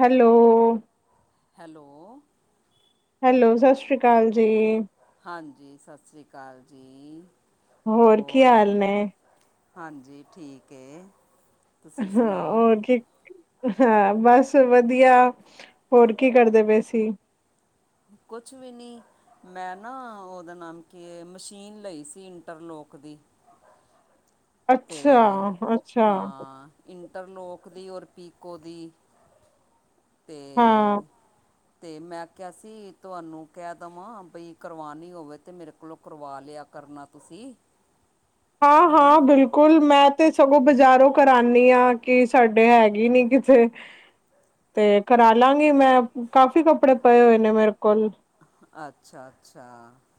Hello. Hello. Hello, ਸਸ ਰੀ ਕਾਲ ਜੀ। ਹਾਂਜੀ, ਸਸ ਰੀ ਕਾਲ ਜੀ, ਕੀ ਹੋਰ। ਹਾਲ ਨੇ? ਹਾਂਜੀ, ਠੀਕ ਏ। ਹਾਂ, ਹੋਰ ਕੀ। ਹਾਂ ਬਸ ਵਧੀਆ, ਹੋਰ ਕੀ ਕਰਦੇ ਪੇ ਸੀਂ? ਕੋਛ ਵੀ ਨੀ। ਮੈਂ ਨਾ, ਔਦਾ ਨਾਮ ਕੀ ਏ, ਮਸ਼ੀਨ ਲਈ ਸੀ, ਇੰਟਰਲੋਕ ਦੀ। ਅਤੇ ਅੱਛਾ-ਅੱਛਾ। ਹਾਂ ਇੰਟਰਲੋਕ ਦੀ, ਔਰ ਪੀਕੋ ਦੀ ਤੇ ਹਾਂ, ਤੇ ਮੈਂ ਕਿਆ ਸੀ, ਤਆਨੂੰ ਕੈ ਦਵਾਂ, ਬਈ ਕਰਵਾਨੀ ਹੋਵੇ ਤੇ ਮੇਰੇ ਲੋਂ ਕਰਵਾ ਲਿਆ, ਕਰਨਾ ਤੁਸੀਂ। ਹੈ ਨਾ ਹਾਂ-ਹਾਂ, ਬਿਲਕੁਲ। ਕੁਲ ਮੈਂ ਤੇ ਸਗੋਂ ਬਾਜ਼ਾਰੋਂ ਕਰਾਨੀ ਆਂ, ਕਿ ਸਾਡੇ ਹੈਗੇ ਨੀ ਕਿਥੇ ਤੇ ਕਰਾ ਲਾਂਗੀ ਮੈਂ, ਕਾਫੀ ਕੱਪੜੇ ਪਏ ਹੋਏ ਨੇ ਮੇਰੇ ਕੋਲ। ਅੱਛਾ ਅੱਛਾ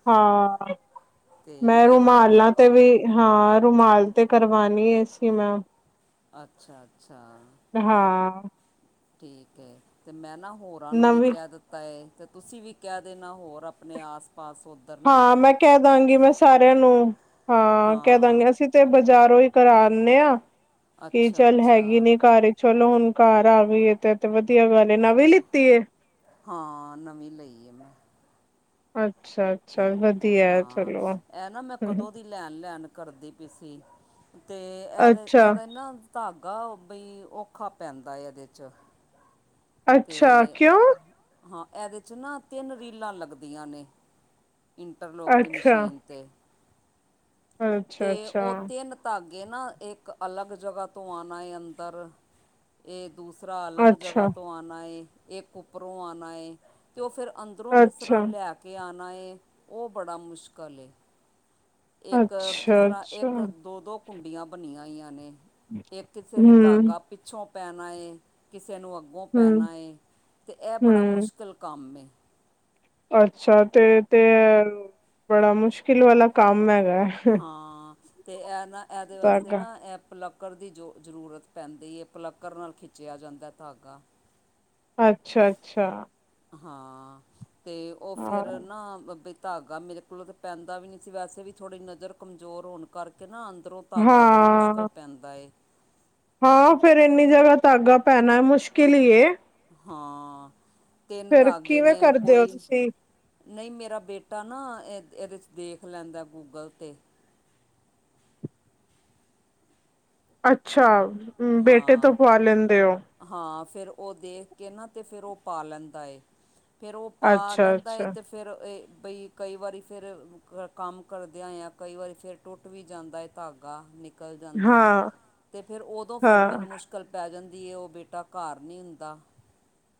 ਹਾਂ, ਅਤੇ ਮੈਂ ਨਾ ਹੋ ਰੁਮਾਲਾ ਤੇ ਵੀ ਹਾਂ, ਰੁਮਾਲ, ਤੇ ਕਰਵਾਣੀ ਏ ਸੀ ਮੈਂ। ਅੱਛਾ-ਅੱਛਾ। ਹਾਂ। ਠੀਕ ਏ, ਤੇ ਮੈਂ ਨਾ ਹੋਰਾਂ ਨੂੰ ਵੀ ਨਵੀਂ ਕੈ ਦਿੱਤਾ ਹੈ, ਤੇ ਤੁਸੀਂ ਵੀ ਕੈ ਦੇਣਾ, ਹੋਰ ਅਪਣੇ ਆਸ-ਪਾਸ ਹੋ ਹਾਂ, ਮੈਂ ਕੈ ਦਾਂਗੀ ਮੈਂ ਸਾਰਿਆਂ ਨੂੰ, ਹਾਂ ਕੈ ਦਾਂਗੀ ਅਸੀਂ ਤੇ ਬਾਜ਼ਾਰੋਂ ਈ ਕਰਾ ਆਨੇ ਆਂ, ਕਿ ਅੱਛਾ ਚੱਲ ਅੱਛਾ ਹੈਗੀ ਨੀ, ਕਰ ਚਲੋ ਹੁਣ ਕਾਰ ਆ ਗਈਏ ਤੇ ਐ ਤੇ ਵਧੀਆ ਗੱਲ ਏ, ਨਵੀ ਲਿੱਤੀ ਏ? ਹਾਂ, ਨਵੀਂ ਲਈ ਏ ਮੈਂ। ਅੱਛਾ। ਤੇ ਅੱਛਾ ਵਧੀਆ ਹਾਂ, ਚਲੋ ਐ ਨਾ, ਮੈਂ ਕਦੋਂ ਦੀ ਲੈਣ ਲੈਣ ਕਰਦੀ ਪੀ ਸੀ, ਤੇ ਐਦੇ ਅੱਛਾ ਐਦੇ ਨਾ ਧਾਗਾ ਬਈ ਔਖਾ ਪੈਂਦਾ ਐ, ਏਦੇ 'ਚ। ਤੇ ਅੱਛਾ ਕਿਉਂ ਹਾਂ ਏਦੇ 'ਚ ਨਾ, ਤੇੱਨ ਰੀਲਾਂ ਲੱਗਦੀਆਂ ਨੇ। ਇੰਟਰਲੋਕ ਦੀ ਅੱਛਾ ਮਸ਼ੀਨ ਤੇ, ਅੱਛਾ ਤੇ ਔ ਅੱਛਾ ਤੇੱਨ ਧਾਗੇ ਨਾ, ਏੱਕ ਅਲੱਗ ਜਗ੍ਹਾ ਤੋਂ ਆਣਾ ਏ ਅੰਦਰ। ਏਹ ਦੂਸਰਾ ਅਲੱਗ ਜਗ੍ਹਾ ਅੱਛਾ ਤੋਂ ਆੱਣਾ ਏ, ਏਕ ਉੱਪਰੋਂ ਆੱਣਾ ਏ। ਤੇ ਔ ਫੇਰ ਅੰਦਰੋਂ ਕਿਸ ਤਰ੍ਹਾਂ ਅੱਛਾ ਲੈ ਕੇ ਆੱਣਾ ਏ, ਔ ਬੜਾ ਮੁਸ਼ਕਲ ਏ। ਏਕ, ਜਿਸ ਅੱਛਾ ਤਰ੍ਹਾਂ ਅੱਛਾ ਏੱਕ ਦੋ ਦੋ ਕੁੰਡੀਆਂ ਬਣੀਆਂ ਹੋਈਆਂ ਨੇ। ਏਕ ਕਿਸੇ ਨੂੰ, ਹੂੰ ਧਾਗਾ ਪਿੱਛੋਂ ਪੈਣਾ ਏ, ਕਿਸੇ ਨੂੰ ਅੱ ਗੋਂ ਹੂੰ ਪੈਣਾ ਏ, ਤੇ ਐ ਬੜਾ ਹੂੰ ਮੁਸ਼ਕਲ ਕੰਮ ਏ। ਅੱਛਾ, ਤੇ ਤੇ ਬੜਾ ਮੁਸ਼ਕਿਲ ਵਾਲਾ ਕੰਮ ਹੈਗਾ ਐ। ਹਾਂ, ਤੇ ਐ ਨਾ, ਐਦੇ ਵਾਸਤੇ ਧਾਗਾ ਨਾ, ਐ ਪਲ ਕੱਕਰ ਦੀ ਜੋ ਜ਼ਰੂਰਤ ਪੈਂਦੀ ਏ, ਪਲੱਕਰ ਨਾਲ ਖਿੱਚੇਆ ਜਾਂਦਾ ਤਾਗਾ। ਅੱਛਾ ਅੱਛਾ। ਹਾਂ, ਤੇ ਔ ਹਾਂ ਫੇਰ ਨਾ, ਬ ਬਈ ਤਾਗਾ ਮੇਰੇ ਲੋ, ਤੇ ਪੈਂਦਾ ਵੀ ਨੀ ਸੀ, ਵੈਸੇ ਵੀ ਥੋੜ੍ਹੀ ਨਜ਼ਰ ਕਮਜ਼ੋਰ ਹੋਣ ਕਰਕੇ ਨਾ ਅੰਦਰੋਂ ਤਾਗਾ ਬੜੀ ਮੁਸ਼ਕਲ ਹਾਂ ਪੈਂਦਾ ਏ। ਹਾਂ, ਫੇਰ ਏਨੀ ਜਗ੍ਹਾ ਧਾਗਾ ਪੈਣਾ, ਮੁਸ਼ਕਿਲ ਹੀ ਏ। ਹਾਂ, ਤੇੱਨ ਫੇਰ ਤਾਗੇ ਕਿਵੇਂ ਨੇ ਕਰਦੇ ਹੋ ਕੋਈ ਤੁਸੀਂ ਨਈ ਮੇਰਾ ਬੇਟਾ ਨਾ, ਏ ਏਦੇ ਚ ਦੇਖ ਲੈਂਦਾ ਗੂਗਲ ਤੇ। ਅੱਛਾ। ਹਾਂ। ਪਰ ਲੈਂਦਿਉ ਹਾਂ ਫਿਰ ਉਹ ਦੇਖ ਕੇ ਨਾ ਤੇ ਫਿਰ ਉਹ ਪਾ ਲੈਂਦਾ ਏ। ਫੇਰ ਉਹ ਪਾ ਅੱਛਾ ਲੈਂਦਾ ਹੈ ਅੱਛਾ ਅਤੇ ਫੇਰ ਇਹ ਬਈ ਕਈ ਵਾਰੀ ਫੇਰ ਕੰਮ ਕਰਦਿਆਂ ਆਕਈ ਵਾਰੀ ਫੇਰ ਟੁੱਟ ਵੀ ਜਾਂਦਾ ਏ ਧਾਗਾ ਨਿਕ ਨਿਕਲ ਜਾਂਦਾ ਹੈ ਹਾਂ ਤੇ ਫਿਰ ਉਦੋਂ ਫੇਰ ਹਾਂ ਮੈਨੂੰ ਮੁਸ਼ਕਿਲ ਪੈ ਜਾਂਦੀ। ਕੀ ਉਹ ਬੇਟਾ ਘਰ ਨਹੀਂ ਹੁੰਦਾ।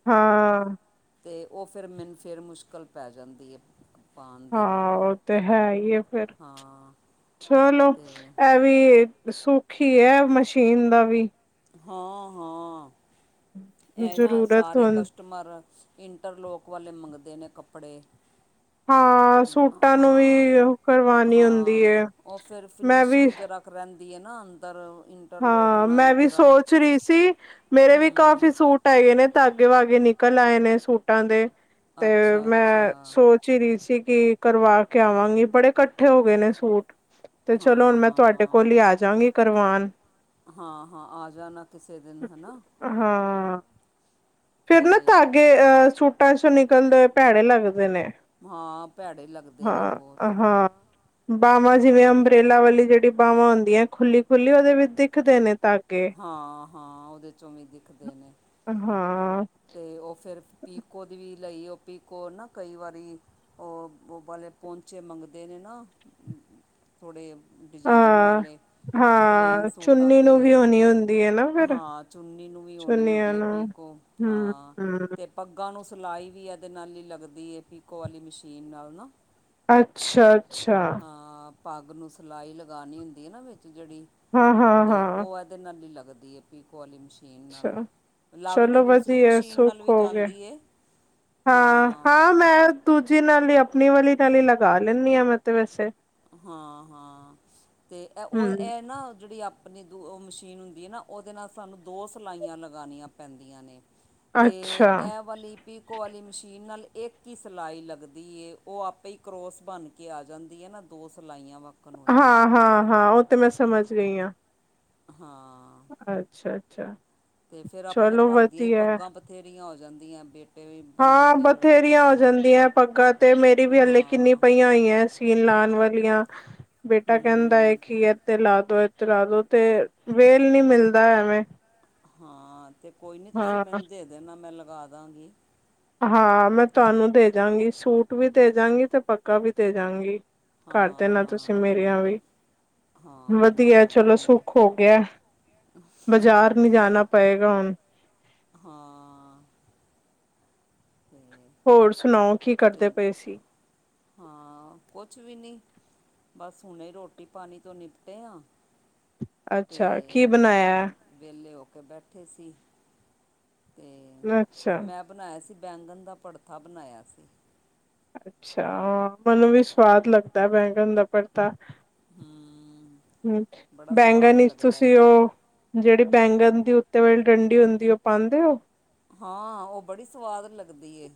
ਹਾਂ ਹਾਂ ਹਾਂ। ਤੇ ਉਹ ਫੇਰ ਮੈਨੂੰ ਫੇਰ ਮੁਸ਼ਕਲ ਪੈ ਜਾਂਦੀ ਹੈ। ਪਾਉਣ ਦੀ ਹਾਂ ਉਹ ਤੇ ਹੈ ਹੀ ਹੇ ਫੇਰ ਹਾਂ ਚਲੋ ਅਤੇ ਇਹ ਵੀ ਸੁਖ ਹੀ ਹੈ ਮਸ਼ੀਨ ਦਾ ਵੀ। ਹਾਂ ਹਾਂ। ਇਹ ਨਾ ਜ਼ਰੂਰਤ ਸਾਰੇ ਹੁੰ ਕਸਟਮਰ ਇੰਟਰਲੋਕ ਵਾਲੇ ਮੰਗਦੇ ਨੇ ਕੱਪੜੇ। ਹਾਂ ਸੂਟਾਂ ਨੂੰ ਵੀ ਹਾਂ ਕਰਵਾਉਣੀ ਹੁੰਦੀ ਹਾਂ ਹੈ ਉਹ ਫਿਰ ਮੈਂ ਵੀ ਫਿਨਿਸ਼ਿੰਗ ਜਰਾ ਰਹਿਂਦੀ ਹੈ ਨਾ ਅੰਦਰ। ਇੰਟਰਲੋਕ ਹਾਂ ਮੈਂ ਨਾਲ ਵੀ ਜਰਾ ਸੋਚ ਰਹੀ ਸੀ ਮੇਰੇ ਵੀ ਹੂੰ ਕਾਫੀ ਸੂਟ ਹੈਗੇ ਨੇ ਧਾਗੇ ਵਾਗੇ ਨਿਕਲ ਆਏ ਨੇ ਸੂਟਾਂ ਦੇ ਤੇ ਅੱਛਾ ਅੱਛਾ ਮੈਂ ਸੋਚਿਆ। ਚਿਰੀ ਸੀ ਕਿ ਕਰਵਾ ਕੇ ਆਵਾਂਗੀ ਬੜੇ ਇਕੱਠੇ ਹੋ ਗਏ ਨੇ ਸੂਟ। ਤੇ ਚਲੋ ਹਾਂ ਹੁਣ ਮੈਂ ਤੁਹਾਡੇ ਹਾਂ ਕੋਲ ਹੀ ਆਜਾਂਗੀ ਕਰਵਾਨ। ਹਾਂ ਹਾਂ ਆ ਜਾਨਾ। ਹਾਂ, ਫੈਰ ਨਾ ਅਤੇ ਧਾਗੇ ਅਹ, ਸੂਟਾਂ ਚੋਂ ਨਿਕਲਦੇ ਹੋਏ ਭੈੜੇ ਲੱਗਦੇ ਨੇ। ਹਾਂ ਭੈੜੇ ਲੱਗਦੇ ਨੇ ਬਹੁਤ ਹਾਂ, ਹਾਂ ਬਵਾਂ ਜਿਵੇਂ ਹਾਂ ਅੰਬਰੇਲਾ ਵਾਲੀ ਜਿਹੜੀ ਬਾਹ ਵਾਂ ਹੁੰਦੀਆਂ ਹੈ, ਖੁੱਲੀ -ਖੁੱਲੀ ਉਹਦੇ ਵਿੱਚ ਦਿਖਦੇ ਨੇ ਤਾਂ ਹਾਂ, ਹਾਂ ਉਹਦੇ ਚੋਂ ਵੀ ਦਿਖਦੇ ਨੇ। ਹਾਂ, ਹਾਂ-ਹਾਂ ਤੇ ਉਹ ਫੇਰ ਪੀਕੋ ਦੀ ਵੀ ਲਈ, ਉਹ ਪੀਕੋ ਨਾ ਕਈ ਵਾਰੀ ਉਹ ਵੋ ਵਾਲੇ ਪੋਂਚੇ ਮੰਗਦੇ ਨੇ ਨਾ। ਥੋੜ੍ਹੇ ਡਿਜ਼ਾਇਨ ਹਾਂ ਵਾਲੇ, ਪਲੇਨ ਸੂਟਾਂ ਤੇ ਤੇ ਹੁੰਦੀ ਹੈ, ਨਾ। ਫਿਰ ਹਾਂ, ਚੁੰਨੀ ਨੂੰ ਵੀ ਹੋਣੀ ਚੁੰਨੀਆਂ ਹੁੰਦੀ ਹੈ ਨੂੰ ਪਿਕੋ ਹਮ ਹਾਂ ਹਮ ਤੇ ਪੱਗਾਂ ਨੂੰ ਸਿਲਾਈ ਵੀ ਇਹਦੇ ਨਾਲ ਹੀ ਲੱਗਦੀ ਹੈ, ਪੀਕੋ ਵਾਲੀ ਮਸ਼ੀਨ ਨਾਲ ਨਾ। ਅੱਛਾ- ਅੱਛਾ। ਅ ਪੱਗ ਨੂੰ ਸਿਲਾਈ ਲਗਾਉਣੀ ਹੁੰਦੀ ਆ ਨਾ, ਵਿਚ ਜਿਹੜੀ ਹਾਂ ਹਾਂ ਤੇ ਹਾਂ ਉਹ ਅਜ ਦੇ ਨਾਲ ਹੀ ਲੱਗਦੀ ਹੈ। ਪੀਕੋ ਵਾਲੀ ਮਸ਼ੀਨ ਨਾਲ, ਅੱਛਾ ਲੱਗ ਤਾਂ ਚਲੋ ਦੂਸਰੀ ਵਧੀਆ ਮਸ਼ੀਨ ਨਾਲ ਸੁੱਖ ਵੀ ਹੋ ਗਏ ਜਾਂਦੀ ਏ। ਹਾਂ, ਹਾਂ ਮੈਂ ਦੂਜੀ ਨਾਲ ਹੀ, ਆਪਣੀ ਵਾਲੀ ਨਾਲ ਹੀ ਲਗਾ ਲੈਂਦੀ ਹਾਂ। ਮੈਂ ਤੇ ਵੈਸੇ ਹਾਂ, ਹਾਂ ਤੇ ਉਹ ਹਮ ਇਹ ਨਾ ਜਿਹੜੀ ਆਪ ਆਪਣੀ ਦ ਉਹ ਮਸ਼ੀਨ ਹੁੰਦੀ ਹੈ ਨਾ, ਉਹਦੇ ਨਾਲ ਸਾਨੂੰ ਦੋ ਸਿਲਾਈਆਂ ਲਗਾਉਣੀਆਂ ਪੈਂਦੀਆਂ ਨੇ। ਤੇ ਅੱਛਾ ਇਹ ਵਾਲੀ ਪੀਕੋ ਵਾਲੀ ਮਸ਼ੀਨ ਨਾਲ, ਇੱਕ ਹੀ ਸਿਲਾਈ ਲੱਗਦੀ। ਉਹ ਆਪੇ ਹੀ ਕਰੋਸ ਬਣ ਕੇ ਆ ਜਾਂਦੀ ਹੈ ਨਾ। ਦੋ ਸਿਲਾਈਆਂ ਵਕ ਹਾਂ- ਹਾਂ, ਹਾਂ ਉਹ ਤੇ ਮੈਂ ਸਮਝ ਗਈ ਹਾਂ। ਹਾਂ, ਅੱਛਾ ਅੱਛਾ ਤੇ ਫੇਰ ਆਪਣੇ ਚਲੋ ਘਰ ਦੀਆਂ ਹੀ ਵਧੀਆ ਪੱਗਾਂ ਬ ਬਥੇਰੀਆਂ ਹੋ ਜਾਂਦੀਆਂ ਬੇਟ। ਹਾਂ ਬਥੇਰੀਆਂ ਹੋ ਜਾਂਦੀਆਂ ਪੱਗਾਂ, ਤੇ ਮੇਰੀ ਵੀ ਹਲੇ ਕਿੰਨੀ ਹਾਂ ਪਈਆਂ ਹੋਈਆਂ ਹੈਂ। ਸੀਨ ਲਾਉਣ ਵਾਲੀਆਂ ਬੇਟਾ ਕਹਿੰਦਾ ਹੈ, ਹੂੰ ਕਿ ਤੇ ਲਾ ਦੋ ਇਥੇ ਲਾ ਦੋ ਤੇ ਵੇਲ ਨੀ ਮਿਲਦਾ। ਐਵੇਂ ਹਾਂ ਤੇ ਕੋਈ ਨਹੀਂ, ਤੁਸੀਂ ਹਾਂ ਮੈਨੂ ਦੇਣਾ। ਮੈਂ ਲਗਾ ਦਵਾਂਗੀ। ਹਾਂ ਮੈਂ ਤੁਹਾਨੂੰ ਦੇਜਾਂਗੀ, ਸੂਟ ਵੀ ਦੇਜਗੀ, ਤੇ ਪੱਕਾ ਵੀ ਦੇਜਾਂਗੀ। ਕਰਦੇ ਹਾਂ ਨਾ, ਤੁਸੀਂ ਹਾਂ ਮੇਰੇ ਆਂ ਵੀ। ਹਾਂ ਮੈਂ ਵਧੀਆ, ਕਰ ਚਲੋ ਦਾਂਗੀ ਸੁੱਖ ਹੋ ਗਿਆ, ਬਾਜ਼ਾਰ ਨੀ ਜਾਣਾ ਪਏਗਾ ਹੁਣ। ਹਾਂ। ਹੂਂ। ਹੋਰ ਸੁਣਾਓ, ਕੀ ਕਰਦੇ ਪਏ ਸੀ? ਹਾਂ, ਕੁਛ ਵੀ ਨਹੀਂ। ਬਸ, ਹੁਣੇ ਰੋਟੀ ਪਾਣੀ ਤੋਂ ਨਿਪਟ ਹਾਂ। ਤੇ, ਅੱਛਾ ਕੀ ਬਣਾਇਆ ਵਿਹਲੇ ਹੋ ਕੇ ਬੈਠੇ ਸੀ। ਅਤੇ, ਅੱਛਾ ਮੈਂ ਬਣਾਇਆ ਸੀ, ਬੈਂਗਣ ਦਾ ਪੜਥਾ ਬਣਾਇਆ ਸੀ। ਅੱਛਾ ਹਾਂ, ਮੈਨੂੰ ਵੀ ਸਵਾਦ ਲੱਗਦਾ, ਬੈਂਗਣ ਦਾ ਪੜਥਾ। ਹਮ। ਹਮ, ਬੈਂਗਨ ਤੁਸੀਂ ਉਹ ਜਿਹੜੀ ਬੈਂਗਣ ਦੀ ਉੱਤੇ ਵਾਲੀ ਡੰਡੀ ਹੁੰਦੀ, ਉਹ ਪਾਉਂਦੇ ਹੋ। ਹਾਂ, ਉਹ ਬੜੀ ਸਵਾਦ ਲੱਗਦੀ ਐ।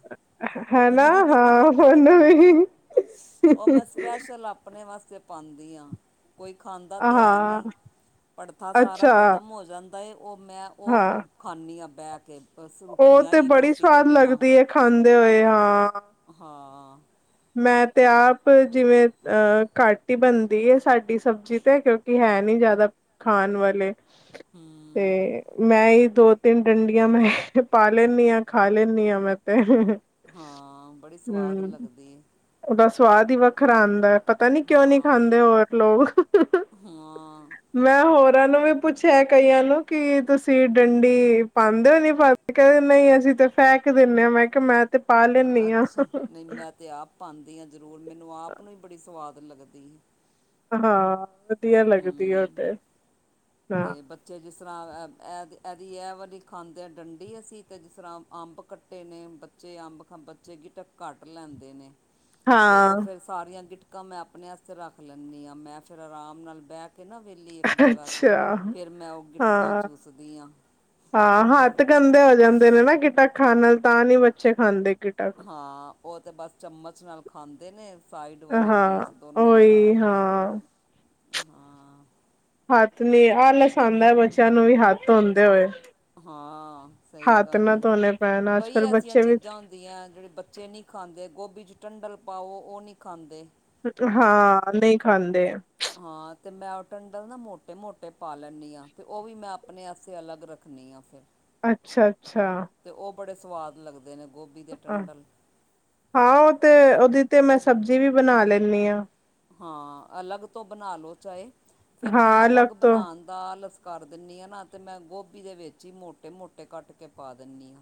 ਹਨਾ ਹਾਂ ਉਹਨੂੰ ਵੀ ਉਹ ''ਮੈਂ ਸਪੈਸ਼ਲ ਆਪਣੇ ਵਾਸਤੇ ਪਾਂਦੀ ਆਂ, ਕੋਈ ਖਾਂਦਾ ਤੇ ਹੈ ਹਾਂ, ਨਹੀਂ। ਭੜਥਾ ਸਾਰਾ ਅੱਛਾ ਖਤਮ ਹੋ ਜਾਂਦਾ ਏ ਉਹ, ਮੈਂ ਉਹ ਹਾਂ। ਖਾਂਨੀ ਆ ਬਹਿਕੇ। ਬਸ ਉਹ ਰੁੱਖੀਆਂ ਤੇ ਹੀ, ਬੜੀ ਰੋਟੀ ਦੇ ਸਵਾਦ ਬਿਨਾਂ। ਲੱਗਦੀ ਹੈ ਖਾਂਦੇ ਹੋਏ, ਹਾਂ। ਹਾਂ ''ਮੈਂ ਤੇ ਆਪ ਜਿਵੇਂ ਅਹ ਘਟ ਹੀ ਬਣਦੀ ਏ ਸਾਡੀ ਸਬਜ਼ੀ, ਤੇ ਹੈ ਕਿਉਂ ਕਿ ਹੈ ਨੀ ਜਿਆਦਾ, ਖਾਣ ਵਾਲੇ ਹੂੰ। ਤੇ, ਮੈਂ ਹੀ ਦੋ-ਤਿੰਨ ਡੰਡੀਆਂ ''ਮੈਂ ਪਾ ਲੈਂਨੀ ਆਂ, ਖਾ ਲੈਂਨੀ ਆਂ ''ਮੈਂ ਤੇ। ਹਾਂ, ਬੜੀ ਸਵਾਦ ਹੂੰ। ਲੱਗਦੀ। ਉਹਦਾ ਸਵਾਦ ਈ ਵੱਖਰਾ ਆਂਦਾ। ਪਤਾ ਨੀ, ਕਿਉਂ ਨੀ ਹਾਂ ਖਾਂਦੇ ਹੋਰ ਲੋਕ। ਹਾਂ ''ਮੈਂ ਹੋਰਾਂ ਨੂੰ ਵੀ ਪੁੱਛਿਆ ਕਈਆਂ ਨੂੰ ਕਿ, ਤੁਸੀਂ ਡੰਡੀ ਪਾਂਦੇ ਹੋ ਨਹੀਂ ਪਾ ਕਹਿੰਦੇ ਨਹੀਂ ਅਸੀਂ ਤੇ ਫੈਕ ਦਿੰਨੇ ਆ, ਮੈਂ ਕਿਹਾ ਮੈਂ ਤੇ ਪਾ ਲੈਂਨੀ ਆ। ਪਾਂਦੀ ਆ ਜ਼ਰੂਰ, ਮੈਨੂੰ ਆਪ ਨੂੰ ਹੀ ਬੜੀ ਸਵਾਦ ਲੱਗਦੀ। ਹਾਂ, ਵਧੀਆ ਲੱਗਦੀ ਏ, ਓ ਹੂੰ ਤੇ। ਹਾਂ ਅਤੇ ਬ ਜੇ ਜਿਸ ਤਰ੍ਹਾਂ ਇਹਦੀ, ਇਹਦੀ ਇਹ ਵਾਰੀ ਖਾਂਦੇ ਆ ਡੰਡੀ, ਅਸੀਂ ਅਤੇ ਜਿਸ ਤਰ੍ਹਾਂ ਅੰਬ ਕੱਟ ਟੇ ਨੇ ਬੱਚੇ ਅੰਬ ਬੱਚੇ ਗਿਟਕ ਘੱਟ ਲੈਂਦੇ ਨੇ, ਤੇ ਉਹ ਹਾਂ ਫੇਰ ਸਾਰੀਆਂ ਗਿਟਕਾਂ ''ਮੈਂ ਆਪਣੇ ਵਾਸਤੇ ਰੱਖ ਲੈਂਨੀ ਆ, ਮੈਂ ਫਿਰ ਆਰਾਮ ਨਾਲ ਬਹਿਕੇ ਨਾ ਵਿਹਲੀ ਜਗ੍ਹਾ 'ਤੇ ਅੱਛਾ। ਫਿਰ ਮੈਂ ਉਹ ਗਿਟਕਾਂ ਹਾਂ, ਚੂਸਦੀ ਹਾਂ ਹਾਂ ਹੱਥ ਗੰਦੇ ਹੋ ਜਾਂਦੇ ਨੇ ਨਾ ਗਿਟ ਖਾਣ ਨਾਲ, ਤਾਂ ਨਹੀਂ ਬੱਚੇ ਖਾਂਦੇ ਕਿਟਕ ਹਾਂ, ਉਹ ਤਾ ਬਸ ਚਮਚ ਨਾਲ ਖਾਂਦੇ ਨੇ। ਸਾਈਡ ਵਾਲੇ ਹਾਂ ਪੀਸ ਦੋਨੋਂ ਉਹੀ ਉਤਾਰ ਕੇ, ਹਾਂ ਹਾਂ। ਹੱਥ ਨੀ ਆਲਸ ਆਂਦਾ ਬੱਚਿਆਂ ਨੂੰ ਵੀ, ਹੱਥ ਧੋਂਦੇ ਹੋਏ। ਹਾਂ ਸਹੀ ਗੱਲ ਏ, ਕਈ ਐਸੀਆਂ ਚੀਜ਼ਾਂ ਜਆਂ ਜਿਹੜੇ ਬੱਚੇ ਨਹੀਂ ਖਾਂਦੇ, ਗੋਭੀ 'ਚ ਟੰਡਲ ਪਾਓ ਉਹ ਨਹੀਂ ਖਾਂਦੇ। ਹਾਂ, ਨਹੀਂ ਖਾਂਦੇ। ਹਾਂ, ਤੇ ''ਮੈਂ ਉਹ ਟੰਡਲ ਨਾ ਮੋਟੇ-ਮੋਟੇ ਪਾ ਲੈਂਨੀ ਆ, ਤੇ ਉਹ ਵੀ ਮੈਂ ਆਪਣੇ ਆਸਤੇ ਅਲੱਗ ਰੱਖ ਰੱਖਨੀ ਆ ਫਿਰ। ਅੱਛਾ-ਅੱਛਾ। ਤੇ ਉਹ ਬੜੇ ਸਵਾਦ ਲੱਗਦੇ ਨੇ, ਗੋਭੀ ਦੇ ਅ- ਟੰਡਲ। ਹਾਂ ਉਹ ਤੇ, ਉਹਦੀ ਤੇ ''ਮੈਂ ਸਬਜ਼ੀ ਵੀ ਬਣਾ ਲੈਂਨੀ ਆ। ਹਾਂ, ਅਲੱਗ ਤੋਂ ਬਣਾ ਲਓ ਚਾਏ, ਫਿਰ ਮੈਂ ਹਾਂ ਅਲੱਗ ਤੋਂ ਬਣਾਣ ਦਾ ਆਲਸ ਕਰ ਦਿੰਨੀ ਆ ਨਾ 'ਤੇ ਮੈਂ ਗੋਭੀ ਦੇ ਵਿੱਚ ਈ ਮੋਟੇ-ਮੋਟੇ ਕੱਟ ਕੇ ਪਾ ਦਿੰਨੀ ਆ।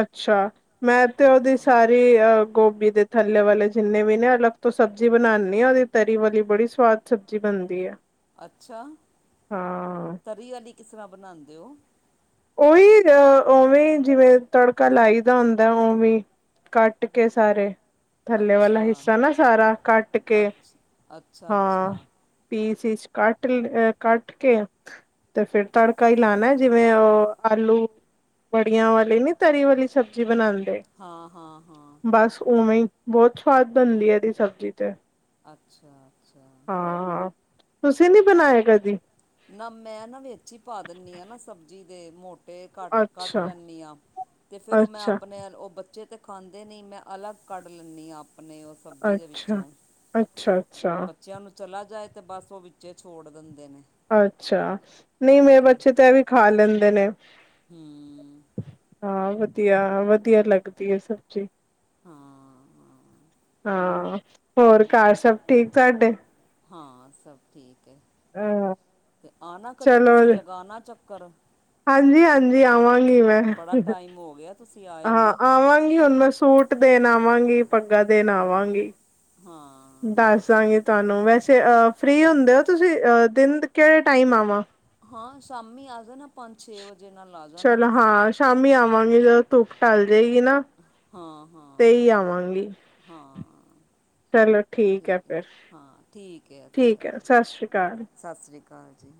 ਅੱਛਾ, ਮੈਂ 'ਤੇ ਉਹਦੀ ਸਾਰ ਰੀ, ਅਹ ਗੋਭੀ ਦੇ ਥੱਲੇ ਵਾਲੇ ਜਿੰਨੇ ਵੀ ਨੇ ਅਲਗ ਤੋਂ ਸਬਜ਼ੀ ਬਣਾਂਨੀ ਆ ਉਹਦੀ ਤਰੀ ਵਾਲੀ ਬੜੀ ਸਵਾਦ ਸਬਜ਼ੀ ਬਣਦੀ ਐ। ਅੱਛਾ! ਤਰੀ ਵਾਲੀ ਕਿਸ ਤਰ੍ਹਾਂ ਬਣਾਂਦੇ ਓ? ਉਈ, ਅ ਉਵੇਂ ਈ ਜਿਵੇਂ ਤੜਕਾ ਲਾਈ ਦਾ ਹੁੰਦਾ ਉਵੇਂ ਈ। ਕੱਟ ਕੇ ਸਾਰੇ। ਥੱਲੇ ਵਾਲਾ ਅੱਛਾ ਹਿੱਸਾ ਨਾ ਸਾਰਾ ਕੱਟਕੇ, ਅੱਛ ਅੱਛਾ ਅੱਛਾ ਹਾਂ। ਪੀਸ-ਇਸ ਕੱਟ ਅ ਕੱਟਕੇ 'ਤੇ ਫੇਰ ਤੜਕਾ ਈ ਲਾਣਾ ਜਿਵੇਂ ਉਹ ਆਲੂ, ਵੜੀਆਂ ਵਾਲੀ ਨਈ, ਤਰੀ ਵਾਲੀ ਸਬਜ਼ੀ ਬਣਾਂਦੇ ਹਾਂ-ਹਾਂ-ਹਾਂ ਬਸ ਉਵੇਂ ਈ, ਬਹੁਤ ਸਵਾਦ ਬਣਦੀ ਇਹਦੀ ਸਬਜ਼ੀ ਤੇ ਅੱਛਾ-ਅੱਛਾ। ਹਾਂ-ਹਾਂ, ਤੁਸੀਂ ਨੀ ਬਣਾਇਆ ਕਦੀ? ਨਾ ਮੈਂ ਨਾ ਵਿੱਚ ਈ, ਪਾ ਦਿੰਨੀ ਆ ਨਾ, ਸਬਜ਼ੀ ਦੇ ਮੋਟ ਤੇ ਕੱਟ-ਕੱਟ ਅੱਛਾ ਲੈਂਨੀ ਆ, 'ਤੇ ਫੇਰ ਉਹ ਮੈਂ ਅੱਛਾ ਆਪਣੇ ਉਹ ਬੱਚੇ ਤੇ ਖਾਂਦੇ ਨਈ, ਮੈਂ ਅਲੱਗ ਕੱਢ ਲੈਂਨੀ ਆ ਆਪਣੀ ਉਹ ਸਬਜ਼ੀ ਦੇ ਅੱਛਾ ਵਿੱਚੋਂ, ਅੱਛਾ ਅੱਛਾ ਬੱਚਿਆਂ ਨੂੰ ਚਲਾ ਜਾਏ 'ਤੇ, ਔ ਬਸ ਉਹ ਵਿੱਚੇ ਛੋੜ ਦਿੰਦੇ ਨੇ ਅੱਛਾ, ਨਈ ਅਤੇ ਮੇਰੇ ਬੱਚੇ ਤਾਂ, ਐਵੀ ਖਾ ਲੈਂਦੇ ਨ ਹੂੰ। ਹਾਂ ਵਧੀਆ, ਵਧੀਆ ਲੱਗਦੀ ਏ ਸਬਜ਼ੀ ਹਾਂ ਹਾਂ ਹਾਂ, ਹੋਰ ਘਰ ਸਭ ਠੀਕ ਤਾਡੇ? ਹਾਂ ਸਭ ਠੀਕ ਏ। ਅ 'ਤੇ ਆਣਾ ਤੁਸੀਂ, ਕਦੀ ਲਗਾਣਾ ਚੱਕਰ‌ ਹਾਂਜੀ-ਹਾਂਜੀ ਆਵਾਂਗੀ ਮੈਂ, ਟਾਈਮ ਹੋ ਗਿਆ ਤੁਸੀਂ ਆਏ ਹਾਂ ਨਹੀਂ ਅ ਆਵਾਂਗੀ ਹੁਣ ਮੈਂ, ਸੂਟ ਦੇਣ ਆਵਾਂਗੀ, ਪੱਗਾ ਦੇਣ ਆਵਾਂਗੀ ਹਾਂ। ਦੱਸ ਦਾਂਗੀ ਤੁਹਾਨੂੰ, ਵੈਸੇ ਅਹ ਫ੍ਰਰੀ ਹੁੰਦੇ ਓ ਤੁਸੀਂ, ਅ ਦਿਨ ਕਿਹੜੇ ਟਾਈਮ ਆਵਾ? ਹਾਂ ਸ਼ਾਮੀ ਆ ਜਾਣਾ, ਪੰਜ ਛੇ ਵਜੇ ਨਾਲ ਆ ਜਾਣਾ ਚਲੋ ਤੁਸੀਂ ਹਾਂ ਸ਼ਾਮੀ ਆਵਾਂਗੀ, ਜਦੋਂ ਧੁੱਪ ਟਲ ਜੇਗੀ ਨਾ ਹਾਂ-ਹਾਂ, ਤੇ ਹੀ ਆਵਾਂਗੀ। ਹਾਂ। ਚਲੋ ਹੈ ਠੀਕ ਐ, ਫਿਰ ਹਾਂ ਠੀਕ ਐ ਅੱਛਾ ਠੀਕ ਹੈ ਜੀ। ਸਤਿ ਸ੍ਰੀ ਅਕਾਲ। ਸਤਿ ਸ਼੍ਰੀ ਅਕਾਲ ਜੀ।